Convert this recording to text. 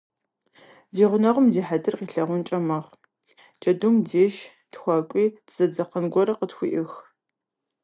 Ди гъунэгъум ди хьэтыр къилъагъункӏэ мэхъу: джэдум деж тхуэкӏуи, дызэдзэкъэн гуэр къытхуеӏых.